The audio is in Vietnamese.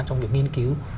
trong việc nghiên cứu